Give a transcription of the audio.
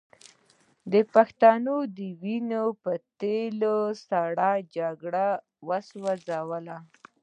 د پښتون د وینو په تېل یې سړه جګړه وسوځوله.